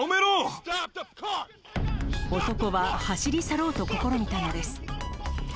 男は走り去ろうと試みたのです。